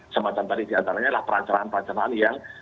semacam tadi diantaranya adalah perancangan perancangan yang